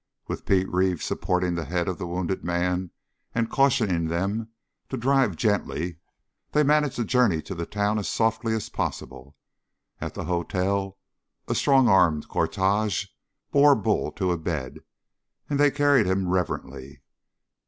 With Pete Reeve supporting the head of the wounded man and cautioning them to drive gently, they managed the journey to the town as softly as possible. At the hotel a strong armed cortege bore Bull to a bed, and they carried him reverently.